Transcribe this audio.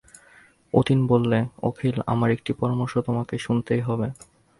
অতীন বললে, অখিল আমার একটি পরামর্শ তোমাকে শুনতেই হবে।